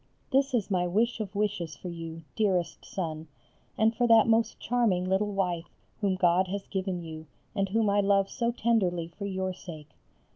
This is my wish of wishes for you, dearest son, and for that most charming little wife whom God has given you and whom I love so tenderly for your sake.